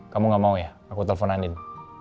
kamu gak mau ya aku telepon andien